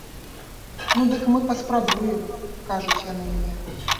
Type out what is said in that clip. Ну дык мы паспрабуем, кажуць яны мне.